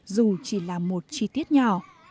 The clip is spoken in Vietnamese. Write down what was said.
dù chỉ là một chi tiết nhỏ